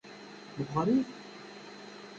Meqqrit?